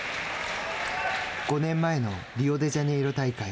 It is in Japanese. ５年前のリオデジャネイロ大会。